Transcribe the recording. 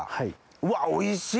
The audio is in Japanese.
うわおいしい！